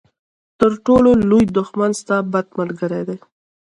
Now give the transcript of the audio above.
تر ټولو لوی دښمن ستا بد ملګری دی.